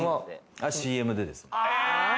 あれはＣＭです。